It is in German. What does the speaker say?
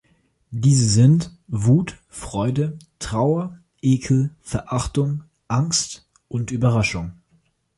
Diese sind: Wut, Freude, Trauer, Ekel, Verachtung, Angst und Überraschung.